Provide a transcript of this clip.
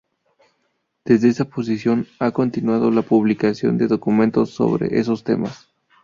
Desde esa posición ha continuado la publicación de documentos sobre esos temas.